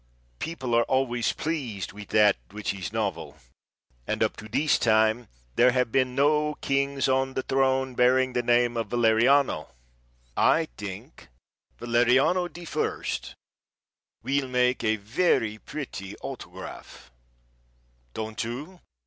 People are always pleased with that which is novel, and up to this time there have been no kings on the throne bearing the name of Valeriano. I think Valeriano the First will make a very pretty autograph. Don't you?"